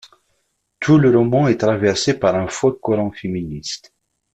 Tout le roman est traversé par un fort courant féministe.